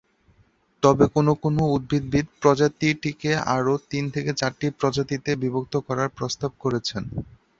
তবে কোন কোন উদ্ভিদবিদ প্রজাতিটিকে আরও তিন থেকে চারটি প্রজাতিতে বিভক্ত করার প্রস্তাব করেছেন।